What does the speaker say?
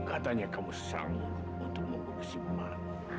katanya kamu sanggup untuk mengungsi emak